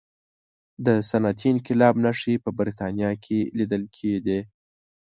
د صنعتي انقلاب نښې په برتانیا کې لیدل کېدې.